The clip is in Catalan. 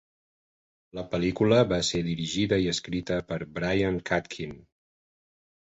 La pel·lícula va ser dirigida i escrita per Brian Katkin.